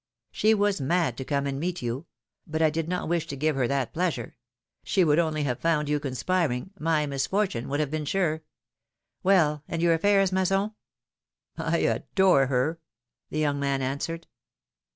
She was mad to come and meet you ; but I did not wish to give her that pleasure; she would only have found you conspiring; my misfortune would have been sure. Well ! and your affairs, Masson?" I adore her !" the young man answered.